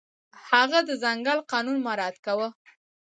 هغه د ځنګل قانون مراعت کاوه.